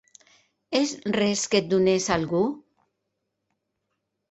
És res que et donés algú?